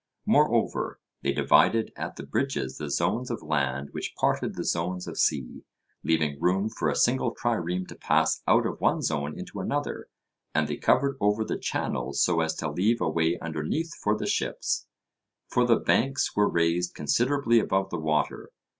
Moreover, they divided at the bridges the zones of land which parted the zones of sea, leaving room for a single trireme to pass out of one zone into another, and they covered over the channels so as to leave a way underneath for the ships; for the banks were raised considerably above the water.